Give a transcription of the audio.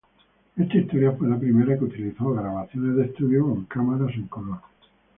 Esta historia fue la primera que utilizó grabaciones de estudio con cámaras en color.